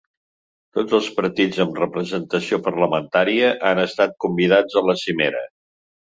Tots els partits amb representació parlamentària han estat convidats a la cimera.